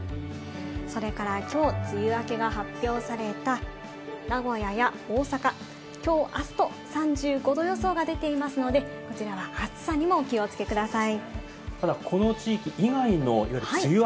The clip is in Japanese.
それから、きょう梅雨明けが発表された名古屋や大阪、きょう、あすと３５度予想が出ていますので、こちらは暑さにもお気をつけください。